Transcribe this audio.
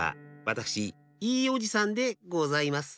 わたくしいいおじさんでございます。